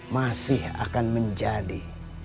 masih akan menjadi